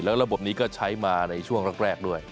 แล้วระบบนี้ก็ใช้มาในช่วงแรกด้วย